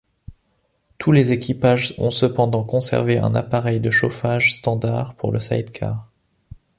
Tous les équipages ont cependant conservé un appareil de chauffage standard pour le side-car.